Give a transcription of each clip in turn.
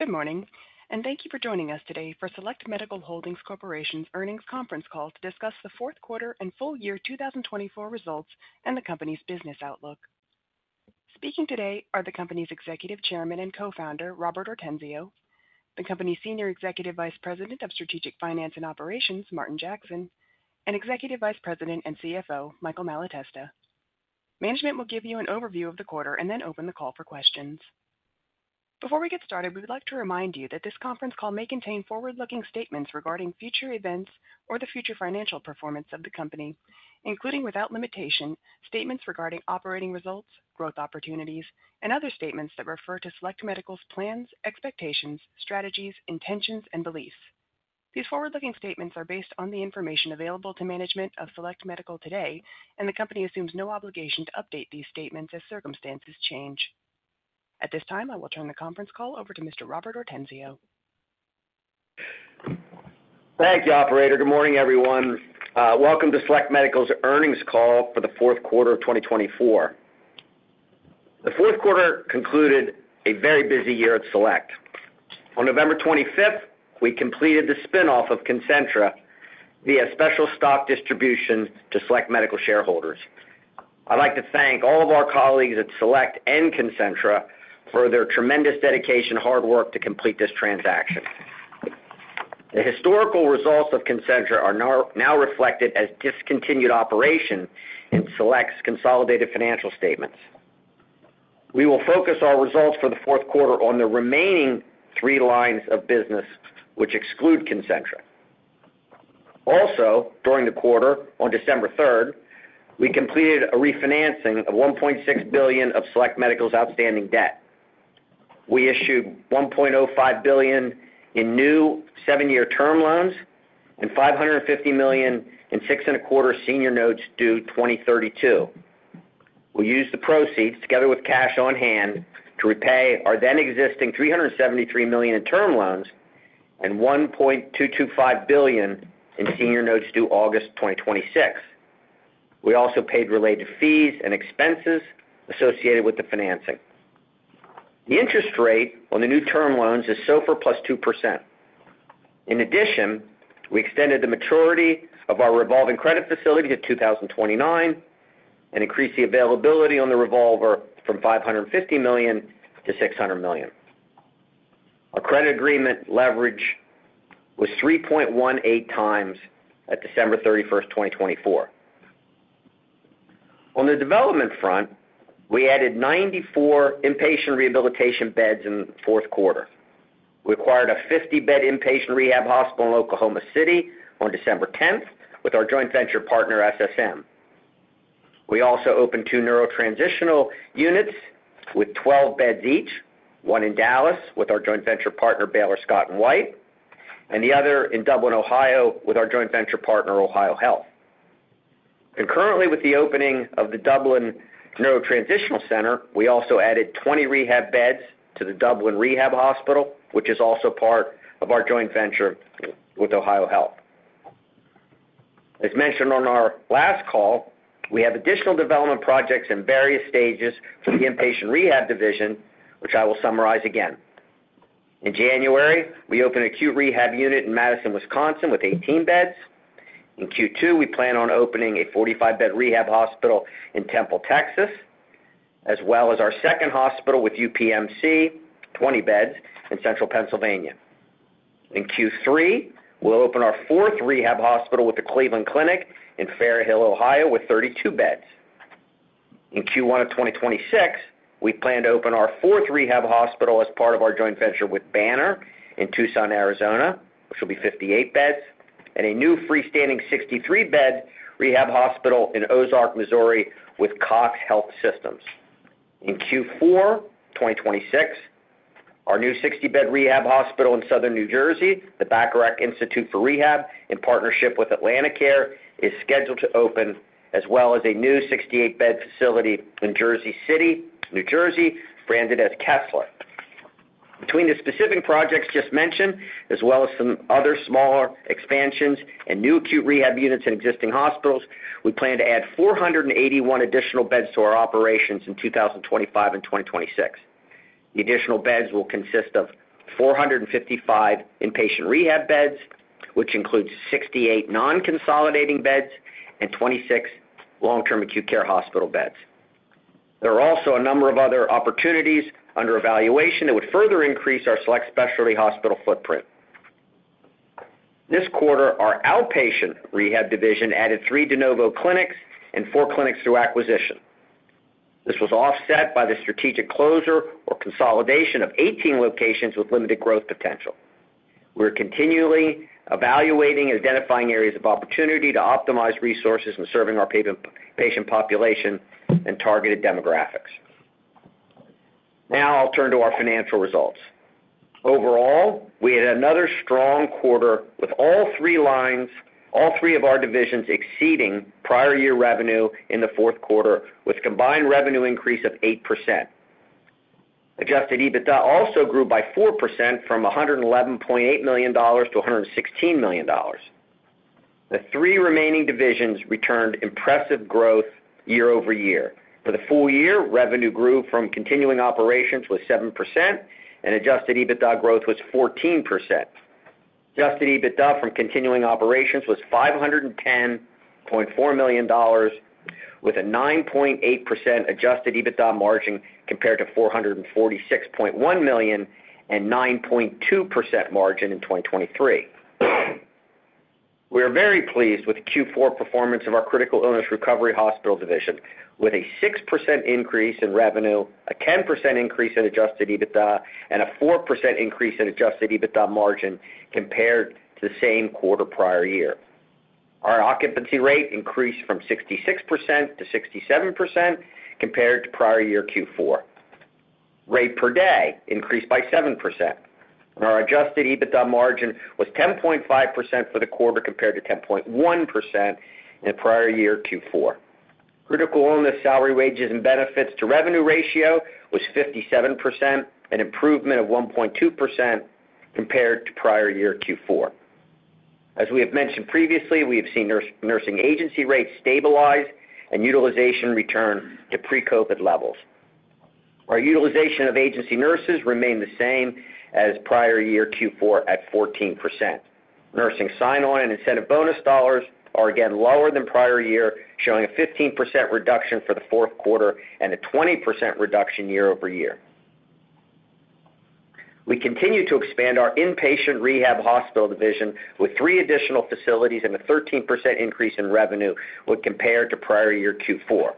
Good morning, and thank you for joining us today for Select Medical Holdings Corporation's Earnings Conference Call to discuss the fourth quarter and full year 2024 results and the company's business outlook. Speaking today are the company's Executive Chairman and Co-Founder, Robert Ortenzio, the company's Senior Executive Vice President of Strategic Finance and Operations, Martin Jackson, and Executive Vice President and CFO, Michael Malatesta. Management will give you an overview of the quarter and then open the call for questions. Before we get started, we would like to remind you that this conference call may contain forward-looking statements regarding future events or the future financial performance of the company, including, without limitation, statements regarding operating results, growth opportunities, and other statements that refer to Select Medical's plans, expectations, strategies, intentions, and beliefs. These forward-looking statements are based on the information available to management of Select Medical today, and the company assumes no obligation to update these statements as circumstances change. At this time, I will turn the conference call over to Mr. Robert Ortenzio. Thank you, operator. Good morning, everyone. Welcome to Select Medical's Earnings Call for the fourth quarter of 2024. The fourth quarter concluded a very busy year at Select. On November 25th, we completed the spinoff of Concentra via special stock distribution to Select Medical shareholders. I'd like to thank all of our colleagues at Select and Concentra for their tremendous dedication and hard work to complete this transaction. The historical results of Concentra are now reflected as discontinued operation in Select's consolidated financial statements. We will focus our results for the fourth quarter on the remaining three lines of business which exclude Concentra. Also, during the quarter, on December 3rd, we completed a refinancing of $1.6 billion of Select Medical's outstanding debt. We issued $1.05 billion in new seven-year term loans and $550 million in 6.25% senior notes due 2032. We used the proceeds, together with cash on hand, to repay our then-existing $373 million in term loans and $1.225 billion in senior notes due August 2026. We also paid related fees and expenses associated with the financing. The interest rate on the new term loans is SOFR plus 2%. In addition, we extended the maturity of our revolving credit facility to 2029 and increased the availability on the revolver from $550 million to $600 million. Our credit agreement leverage was 3.18 times at December 31st, 2024. On the development front, we added 94 inpatient rehabilitation beds in the fourth quarter. We acquired a 50-bed inpatient rehab hospital in Oklahoma City on December 10th with our joint venture partner, SSM. We also opened two neurotransitional units with 12 beds each, one in Dallas with our joint venture partner, Baylor Scott & White, and the other in Dublin, Ohio, with our joint venture partner, OhioHealth. Concurrently with the opening of the Dublin Neurotransitional Center, we also added 20 rehab beds to the Dublin Rehab Hospital, which is also part of our joint venture with OhioHealth. As mentioned on our last call, we have additional development projects in various stages for the inpatient rehab division, which I will summarize again. In January, we opened an acute rehab unit in Madison, Wisconsin, with 18 beds. In Q2, we plan on opening a 45-bed rehab hospital in Temple, Texas, as well as our second hospital with UPMC, 20 beds, in Central Pennsylvania. In Q3, we'll open our fourth rehab hospital with the Cleveland Clinic in Fairhill, Ohio, with 32 beds. In Q1 of 2026, we plan to open our fourth rehab hospital as part of our joint venture with Banner in Tucson, Arizona, which will be 58 beds, and a new freestanding 63-bed rehab hospital in Ozark, Missouri, with CoxHealth. In Q4 2026, our new 60-bed rehab hospital in Southern New Jersey, the Bacharach Institute for Rehab, in partnership with AtlantiCare, is scheduled to open, as well as a new 68-bed facility in Jersey City, New Jersey, branded as Kessler. Between the specific projects just mentioned, as well as some other smaller expansions and new acute rehab units in existing hospitals, we plan to add 481 additional beds to our operations in 2025 and 2026. The additional beds will consist of 455 inpatient rehab beds, which includes 68 non-consolidating beds and 26 long-term acute care hospital beds. There are also a number of other opportunities under evaluation that would further increase our Select Specialty Hospitals footprint. This quarter, our Outpatient Rehab division added three de novo clinics and four clinics through acquisition. This was offset by the strategic closure or consolidation of 18 locations with limited growth potential. We are continually evaluating and identifying areas of opportunity to optimize resources and serving our patient population and targeted demographics. Now, I'll turn to our financial results. Overall, we had another strong quarter with all three lines, all three of our divisions exceeding prior year revenue in the fourth quarter, with a combined revenue increase of 8%. Adjusted EBITDA also grew by 4% from $111.8 million to $116 million. The three remaining divisions returned impressive growth year-over-year. For the full year, revenue grew from continuing operations with 7%, and Adjusted EBITDA growth was 14%. Adjusted EBITDA from continuing operations was $510.4 million, with a 9.8% Adjusted EBITDA margin compared to $446.1 million and a 9.2% margin in 2023. We are very pleased with the Q4 performance of our Critical Illness Recovery Hospital division, with a 6% increase in revenue, a 10% increase in Adjusted EBITDA, and a 4% increase in Adjusted EBITDA margin compared to the same quarter prior year. Our occupancy rate increased from 66% to 67% compared to prior year Q4. Rate per day increased by 7%. Our Adjusted EBITDA margin was 10.5% for the quarter compared to 10.1% in prior year Q4. Critical Illness salary, wages, and benefits to revenue ratio was 57%, an improvement of 1.2% compared to prior year Q4. As we have mentioned previously, we have seen nursing agency rates stabilize and utilization return to pre-COVID levels. Our utilization of agency nurses remained the same as prior year Q4 at 14%. Nursing sign-on and incentive bonus dollars are again lower than prior year, showing a 15% reduction for the fourth quarter and a 20% reduction year-over-year. We continue to expand our Inpatient Rehab Hospital division with three additional facilities and a 13% increase in revenue when compared to prior year Q4.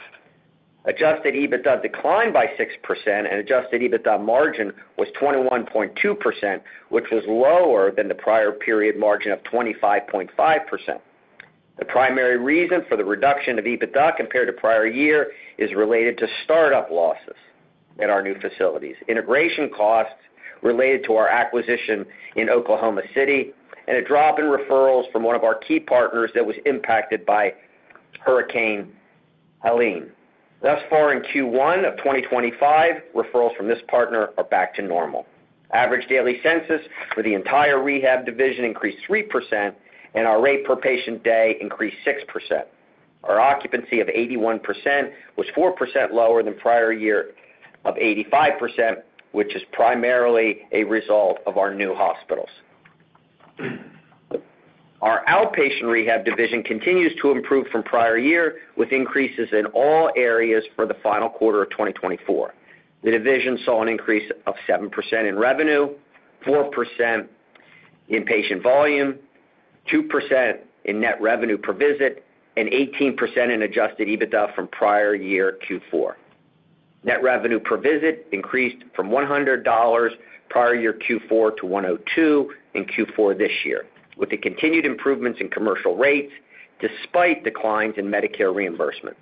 Adjusted EBITDA declined by 6%, and Adjusted EBITDA margin was 21.2%, which was lower than the prior period margin of 25.5%. The primary reason for the reduction of EBITDA compared to prior year is related to startup losses at our new facilities, integration costs related to our acquisition in Oklahoma City, and a drop in referrals from one of our key partners that was impacted by Hurricane Helene. Thus far, in Q1 of 2025, referrals from this partner are back to normal. Average daily census for the entire rehab division increased 3%, and our rate per patient day increased 6%. Our occupancy of 81% was 4% lower than prior year of 85%, which is primarily a result of our new hospitals. Our Outpatient Rehab division continues to improve from prior year with increases in all areas for the final quarter of 2024. The division saw an increase of 7% in revenue, 4% in patient volume, 2% in net revenue per visit, and 18% in Adjusted EBITDA from prior year Q4. Net revenue per visit increased from $100 prior year Q4 to $102 in Q4 this year, with continued improvements in commercial rates despite declines in Medicare reimbursement.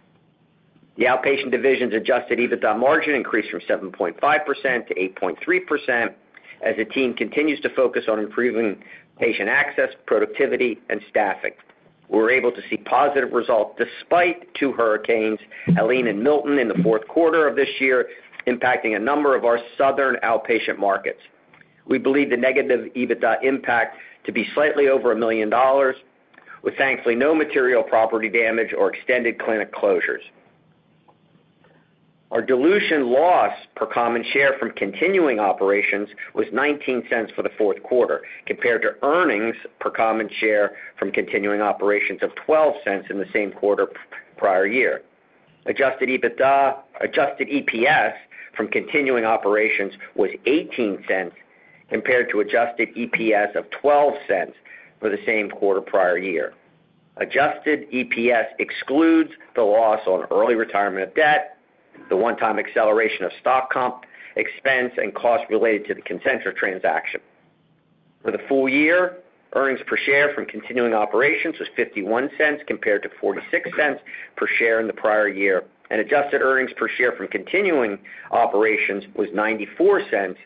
The outpatient division's Adjusted EBITDA margin increased from 7.5% to 8.3% as the team continues to focus on improving patient access, productivity, and staffing. We were able to see positive results despite two hurricanes, Helene and Milton, in the fourth quarter of this year, impacting a number of our southern outpatient markets. We believe the negative EBITDA impact to be slightly over $1 million, with thankfully no material property damage or extended clinic closures. Our diluted loss per common share from continuing operations was $0.19 for the fourth quarter, compared to earnings per common share from continuing operations of $0.12 in the same quarter prior year. Adjusted EPS from continuing operations was $0.18 compared to adjusted EPS of $0.12 for the same quarter prior year. Adjusted EPS excludes the loss on early retirement of debt, the one-time acceleration of stock comp expense, and costs related to the Concentra transaction. For the full year, earnings per share from continuing operations was $0.51 compared to $0.46 per share in the prior year, and adjusted earnings per share from continuing operations was $0.94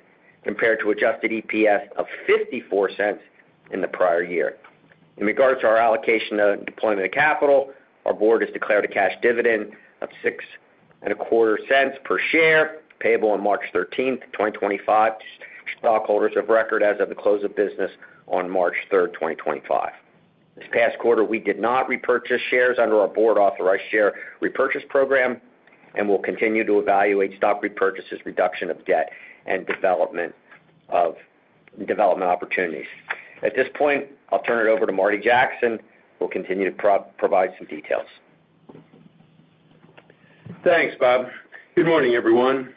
compared to adjusted EPS of $0.54 in the prior year. In regards to our allocation of deployment of capital, our board has declared a cash dividend of $0.0625 per share, payable on March 13th, 2025, to stockholders of record as of the close of business on March 3rd, 2025. This past quarter, we did not repurchase shares under our board-authorized share repurchase program and will continue to evaluate stock repurchases, reduction of debt, and development opportunities. At this point, I'll turn it over to Marty Jackson, who will continue to provide some details. Thanks, Bob. Good morning, everyone.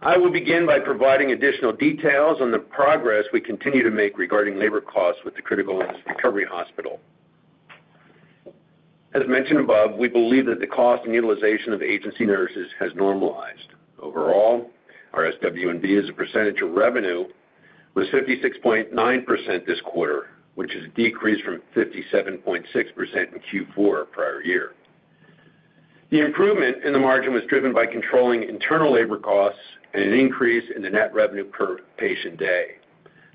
I will begin by providing additional details on the progress we continue to make regarding labor costs with the Critical Illness Recovery Hospital. As mentioned above, we believe that the cost and utilization of agency nurses has normalized. Overall, our SW&B as a percentage of revenue was 56.9% this quarter, which is a decrease from 57.6% in Q4 prior year. The improvement in the margin was driven by controlling internal labor costs and an increase in the net revenue per patient day.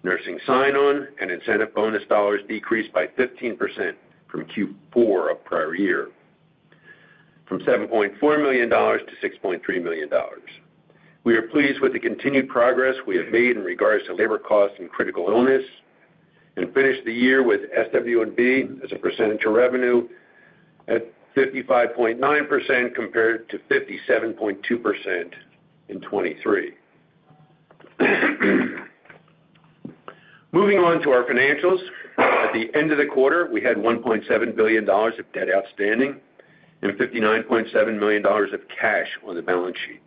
Nursing sign-on and incentive bonus dollars decreased by 15% from Q4 of prior year, from $7.4 million to $6.3 million. We are pleased with the continued progress we have made in regards to labor costs and Critical Illness and finished the year with SW&B as a percentage of revenue at 55.9% compared to 57.2% in 2023. Moving on to our financials, at the end of the quarter, we had $1.7 billion of debt outstanding and $59.7 million of cash on the balance sheet.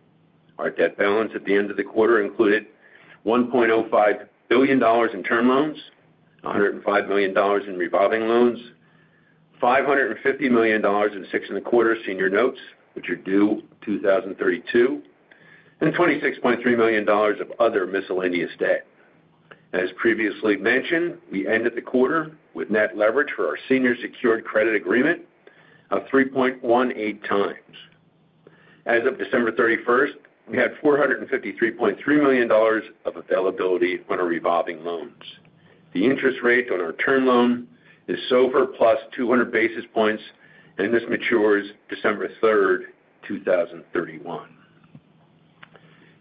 Our debt balance at the end of the quarter included $1.05 billion in term loans, $105 million in revolving loans, $550 million in 6.25% senior notes, which are due 2032, and $26.3 million of other miscellaneous debt. As previously mentioned, we ended the quarter with net leverage for our senior secured credit agreement of 3.18 times. As of December 31st, we had $453.3 million of availability on our revolving loans. The interest rate on our term loan is SOFR plus 200 basis points, and this matures December 3rd, 2031.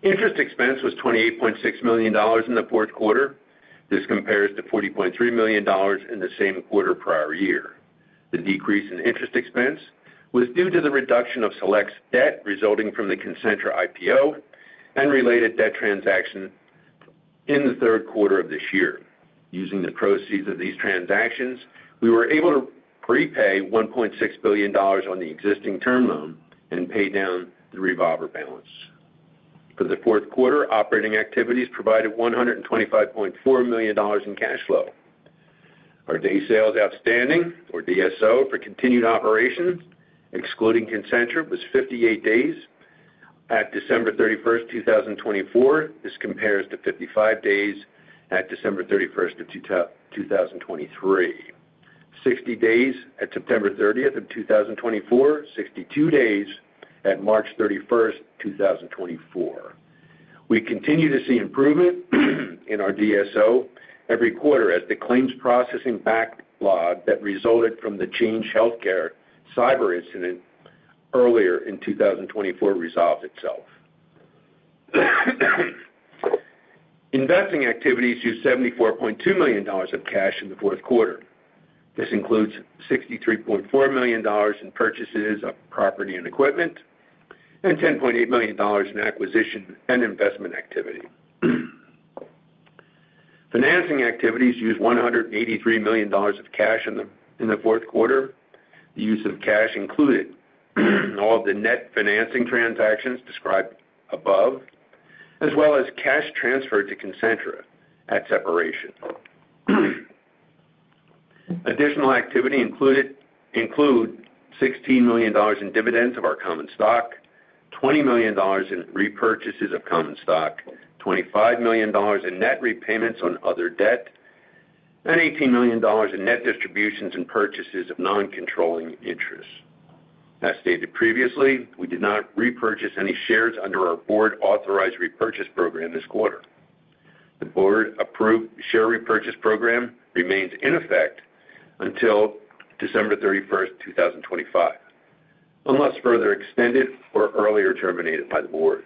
Interest expense was $28.6 million in the fourth quarter. This compares to $40.3 million in the same quarter prior year. The decrease in interest expense was due to the reduction of Select's debt resulting from the Concentra IPO and related debt transaction in the third quarter of this year. Using the proceeds of these transactions, we were able to prepay $1.6 billion on the existing term loan and pay down the revolver balance. For the fourth quarter, operating activities provided $125.4 million in cash flow. Our day sales outstanding, or DSO, for continued operations, excluding Concentra, was 58 days at December 31st, 2024. This compares to 55 days at December 31st of 2023, 60 days at September 30th of 2024, 62 days at March 31st, 2024. We continue to see improvement in our DSO every quarter as the claims processing backlog that resulted from the Change Healthcare cyber incident earlier in 2024 resolves itself. Investing activities used $74.2 million of cash in the fourth quarter. This includes $63.4 million in purchases of property and equipment and $10.8 million in acquisition and investment activity. Financing activities used $183 million of cash in the fourth quarter. The use of cash included all of the net financing transactions described above, as well as cash transferred to Concentra at separation. Additional activity included $16 million in dividends of our common stock, $20 million in repurchases of common stock, $25 million in net repayments on other debt, and $18 million in net distributions and purchases of non-controlling interest. As stated previously, we did not repurchase any shares under our board-authorized repurchase program this quarter. The board-approved share repurchase program remains in effect until December 31st, 2025, unless further extended or earlier terminated by the board.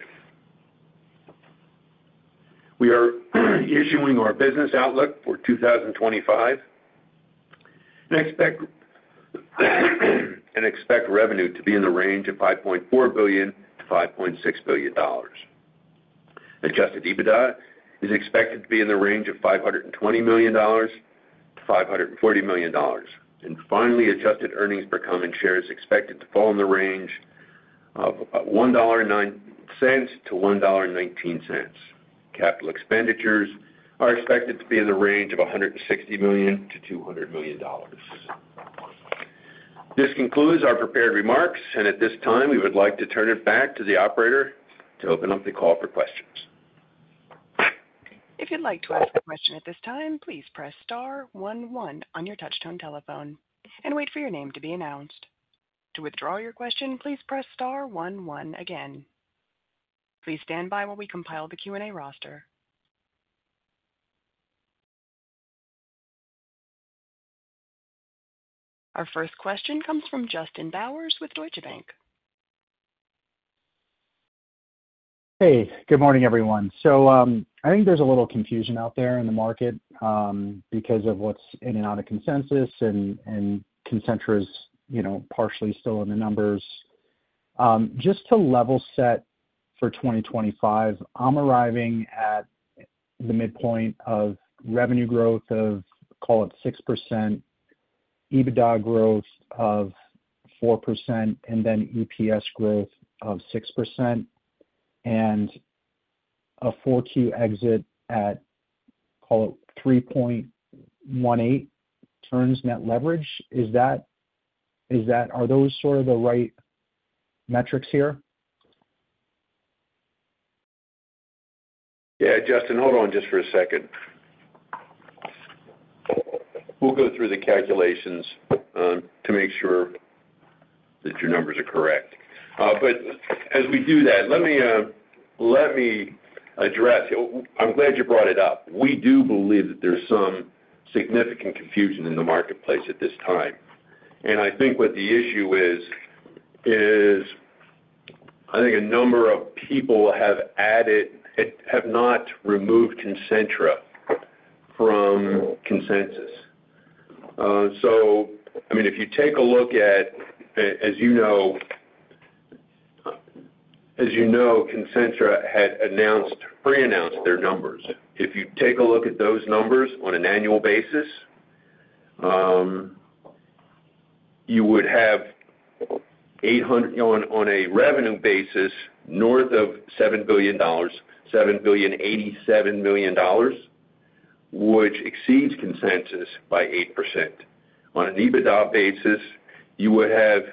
We are issuing our business outlook for 2025 and expect revenue to be in the range of $5.4 billion-$5.6 billion. Adjusted EBITDA is expected to be in the range of $520 million-$540 million, and finally, adjusted earnings per common share is expected to fall in the range of $1.09-$1.19. Capital expenditures are expected to be in the range of $160 million-$200 million. This concludes our prepared remarks, and at this time, we would like to turn it back to the operator to open up the call for questions. If you'd like to ask a question at this time, please press star one one on your touch-tone telephone and wait for your name to be announced. To withdraw your question, please press star one one again. Please stand by while we compile the Q&A roster. Our first question comes from Justin Bowers with Deutsche Bank. Hey, good morning, everyone. So I think there's a little confusion out there in the market because of what's in and out of consensus, and Concentra is partially still in the numbers. Just to level set for 2025, I'm arriving at the midpoint of revenue growth of, call it, 6%, EBITDA growth of 4%, and then EPS growth of 6%, and a 4Q exit at, call it, 3.18 turns net leverage. Are those sort of the right metrics here? Yeah, Justin, hold on just for a second. We'll go through the calculations to make sure that your numbers are correct. But as we do that, let me address. I'm glad you brought it up. We do believe that there's some significant confusion in the marketplace at this time. And I think what the issue is, is I think a number of people have added, have not removed Concentra from consensus. So, I mean, if you take a look at, as you know, Concentra had announced, pre-announced their numbers. If you take a look at those numbers on an annual basis, you would have 800 on a revenue basis north of $7 billion, $7 billion, $87 million, which exceeds consensus by 8%. On an EBITDA basis, you would have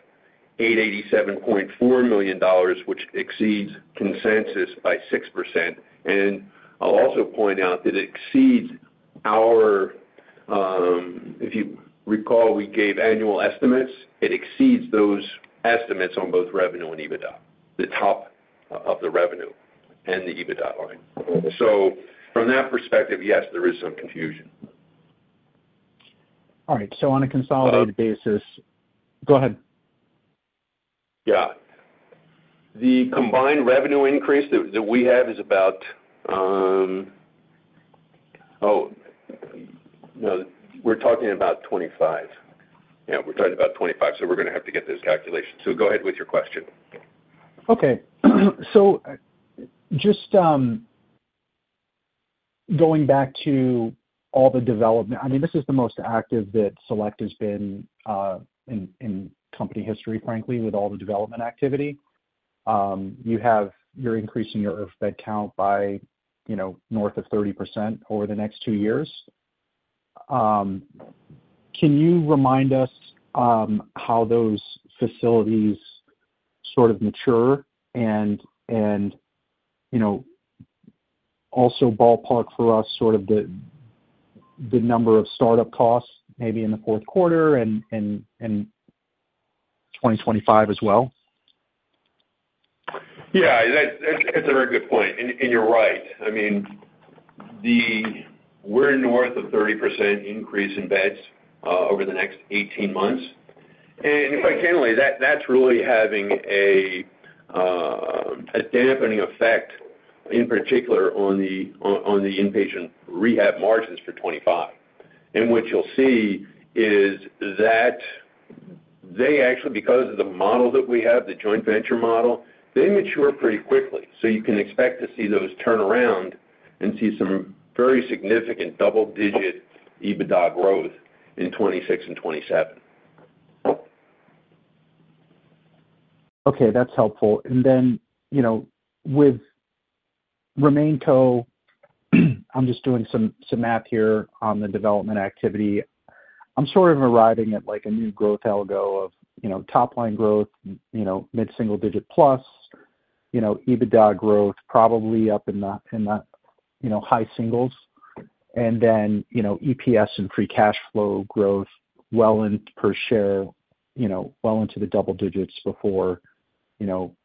$887.4 million, which exceeds consensus by 6%. And I'll also point out that it exceeds our, if you recall, we gave annual estimates. It exceeds those estimates on both revenue and EBITDA, the top of the revenue and the EBITDA line. So from that perspective, yes, there is some confusion. All right. So on a consolidated basis, go ahead. Yeah. The combined revenue increase that we have is about, oh no, we're talking about 25. Yeah, we're talking about 25, so we're going to have to get those calculations, so go ahead with your question. Okay. So just going back to all the development, I mean, this is the most active that Select has been in company history, frankly, with all the development activity. You have your increase in your IRF bed count by north of 30% over the next two years. Can you remind us how those facilities sort of mature and also ballpark for us sort of the number of startup costs maybe in the fourth quarter and 2025 as well? Yeah, that's a very good point, and you're right. I mean, we're north of 30% increase in beds over the next 18 months, and quite candidly, that's really having a dampening effect in particular on the inpatient rehab margins for 2025. And what you'll see is that they actually, because of the model that we have, the joint venture model, they mature pretty quickly, so you can expect to see those turn around and see some very significant double-digit EBITDA growth in 2026 and 2027. Okay, that's helpful. And then with RemainCo, I'm just doing some math here on the development activity. I'm sort of arriving at a new growth algo of top-line growth, mid-single-digit plus, EBITDA growth probably up in the high singles, and then EPS and free cash flow growth well into per share, well into the double digits before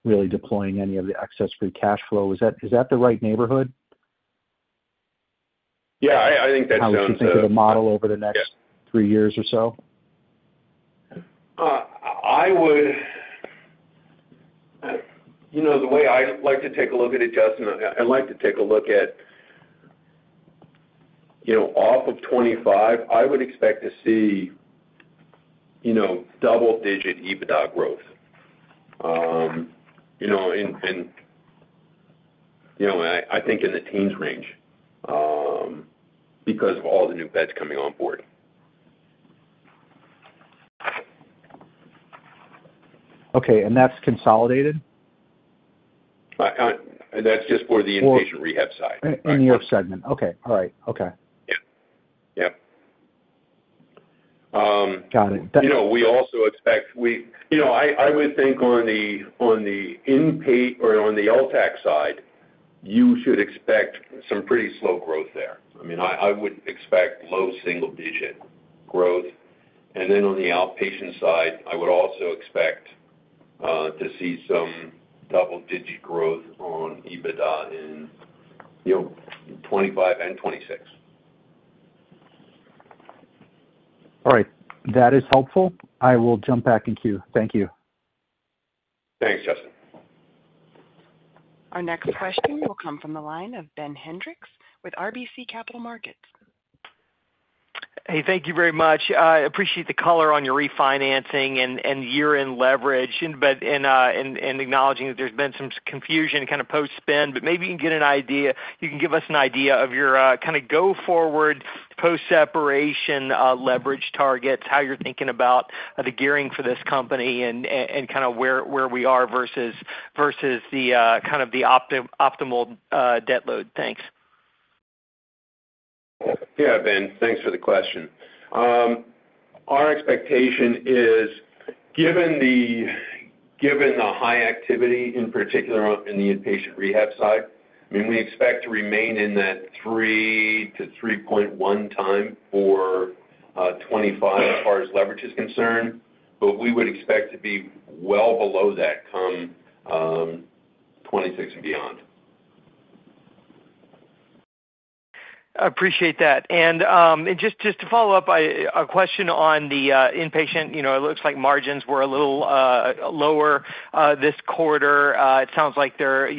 really deploying any of the excess free cash flow. Is that the right neighborhood? Yeah, I think that sounds good. How do you think of the model over the next three years or so? The way I like to take a look at it, Justin, I like to take a look at off of 2025. I would expect to see double-digit EBITDA growth, and I think in the teens range because of all the new beds coming on board. Okay. And that's consolidated? That's just for the inpatient rehab side. In your segment. Okay. All right. Okay. Yeah. Yep. Got it. We also expect, I would think on the inpatient or on the LTACH side, you should expect some pretty slow growth there. I mean, I would expect low single-digit growth. And then on the outpatient side, I would also expect to see some double-digit growth on EBITDA in 2025 and 2026. All right. That is helpful. I will jump back in queue. Thank you. Thanks, Justin. Our next question will come from the line of Ben Hendrix with RBC Capital Markets. Hey, thank you very much. I appreciate the color on your refinancing and year-end leverage, but in acknowledging that there's been some confusion kind of post-spin, but maybe you can get an idea, you can give us an idea of your kind of go forward post-separation leverage targets, how you're thinking about the gearing for this company and kind of where we are versus the kind of the optimal debt load. Thanks. Yeah, Ben, thanks for the question. Our expectation is, given the high activity in particular in the inpatient rehab side, I mean, we expect to remain in that 3-3.1 times for 2025 as far as leverage is concerned, but we would expect to be well below that come 2026 and beyond. I appreciate that and just to follow up, a question on the inpatient. It looks like margins were a little lower this quarter. It sounds like there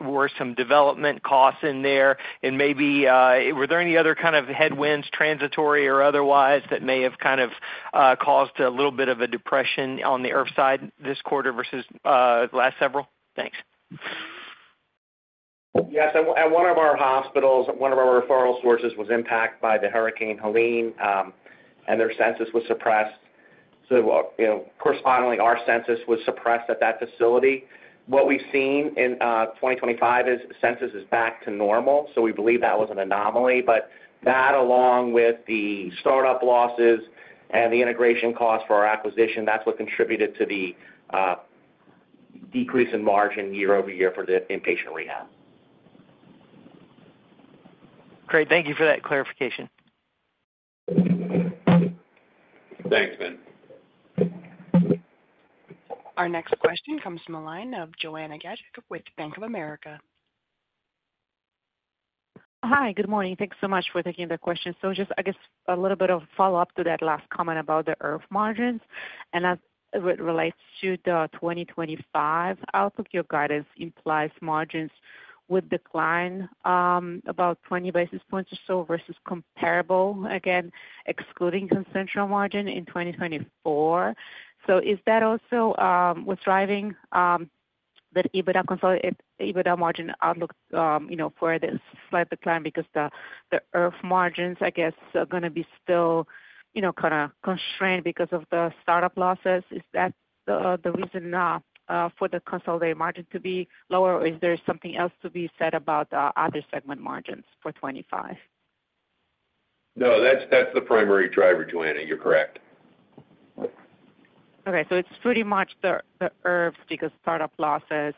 were some development costs in there and maybe were there any other kind of headwinds, transitory or otherwise, that may have kind of caused a little bit of a depression on the IRF side this quarter versus the last several? Thanks. Yes. At one of our hospitals, one of our referral sources was impacted by the Hurricane Helene, and their census was suppressed, so correspondingly, our census was suppressed at that facility. What we've seen in 2025 is census is back to normal, so we believe that was an anomaly, but that, along with the startup losses and the integration costs for our acquisition, that's what contributed to the decrease in margin year-over-year for the inpatient rehab. Great. Thank you for that clarification. Thanks, Ben. Our next question comes from the line of Joanna Gajuk with Bank of America. Hi, good morning. Thanks so much for taking the question. So just, I guess, a little bit of follow-up to that last comment about the IRF margins. And as it relates to the 2025 outlook, your guidance implies margins would decline about 20 basis points or so versus comparable, again, excluding Concentra margin in 2024. So is that also what's driving that EBITDA margin outlook for this slight decline? Because the IRF margins, I guess, are going to be still kind of constrained because of the startup losses. Is that the reason for the consolidated margin to be lower, or is there something else to be said about other segment margins for 2025? No, that's the primary driver, Joanna. You're correct. Okay. So it's pretty much the IRF because startup losses.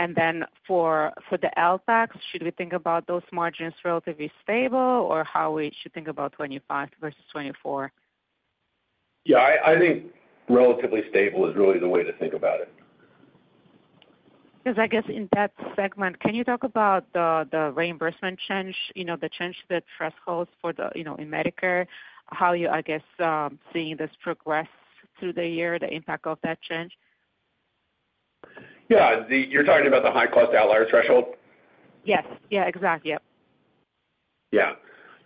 And then for the LTACHs, should we think about those margins relatively stable, or how we should think about 2025 versus 2024? Yeah, I think relatively stable is really the way to think about it. Because I guess in that segment, can you talk about the reimbursement change, the change to the thresholds for the Medicare, how you, I guess, seeing this progress through the year, the impact of that change? Yeah. You're talking about the high-cost outlier threshold? Yes. Yeah, exactly. Yep. Yeah.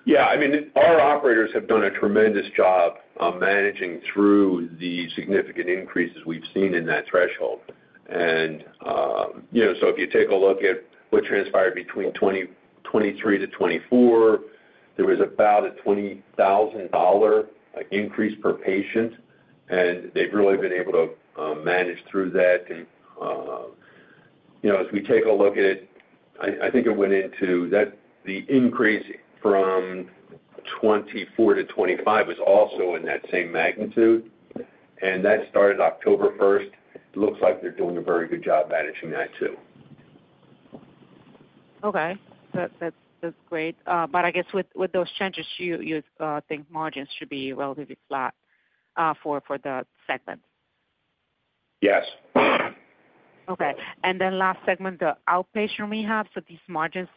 Yeah. I mean, our operators have done a tremendous job managing through the significant increases we've seen in that threshold. And so if you take a look at what transpired between 2023 to 2024, there was about a $20,000 increase per patient, and they've really been able to manage through that. And as we take a look at it, I think it went into the increase from 2024 to 2025 was also in that same magnitude. And that started October 1st. It looks like they're doing a very good job managing that too. Okay. That's great. But I guess with those changes, you think margins should be relatively flat for the segment? Yes. Okay. And then last segment, the Outpatient Rehab. So these margins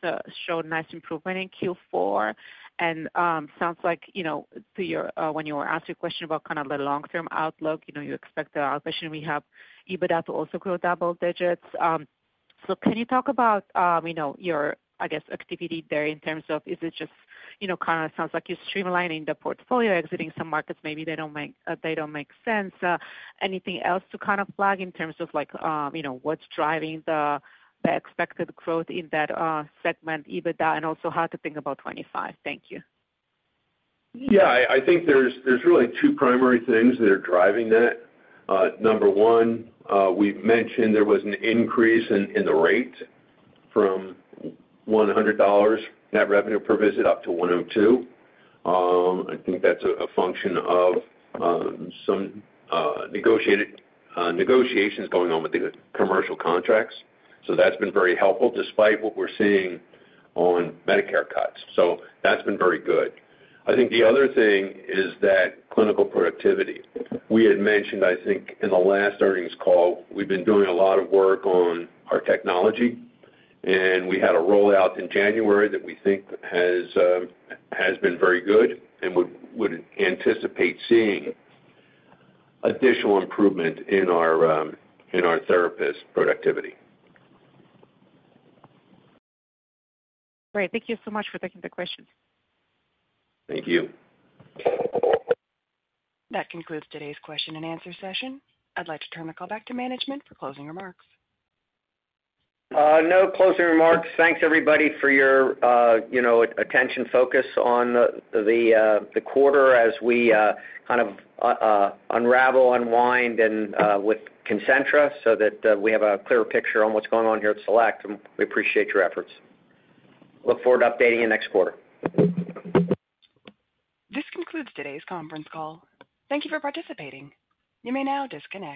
showed nice improvement in Q4. And sounds like when you were asked your question about kind of the long-term outlook, you expect the Outpatient Rehab EBITDA to also grow double digits. So can you talk about your, I guess, activity there in terms of is it just kind of sounds like you're streamlining the portfolio, exiting some markets, maybe they don't make sense. Anything else to kind of flag in terms of what's driving the expected growth in that segment, EBITDA, and also how to think about 2025? Thank you. Yeah. I think there's really two primary things that are driving that. Number one, we've mentioned there was an increase in the rate from $100 net revenue per visit up to $102. I think that's a function of some negotiations going on with the commercial contracts. So that's been very helpful despite what we're seeing on Medicare cuts. So that's been very good. I think the other thing is that clinical productivity. We had mentioned, I think, in the last earnings call, we've been doing a lot of work on our technology, and we had a rollout in January that we think has been very good and would anticipate seeing additional improvement in our therapist productivity. Great. Thank you so much for taking the questions. Thank you. That concludes today's question and answer session. I'd like to turn the call back to management for closing remarks. No closing remarks. Thanks, everybody, for your attention focus on the quarter as we kind of unravel, unwind with Concentra so that we have a clearer picture on what's going on here at Select. And we appreciate your efforts. Look forward to updating you next quarter. This concludes today's conference call. Thank you for participating. You may now disconnect.